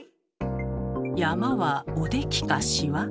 山は「おでき」か「しわ」？